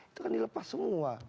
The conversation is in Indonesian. itu kan dilepas semua